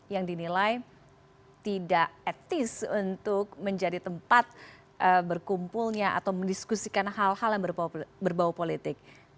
yang dinilai tidak etis untuk menjadi tempat berkumpulnya atau mendiskusikan hal hal yang berbau politik